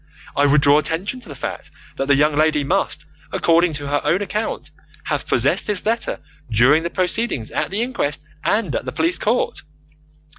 I would draw attention to the fact that the young lady must, according to her own account, have possessed this letter during the proceedings at the inquest and at the police court.